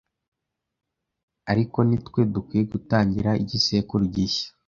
ariko nitwe dukwiye gutangira igisekuru gishya